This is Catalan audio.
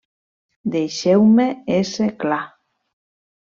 Deixeu-me ésser clar.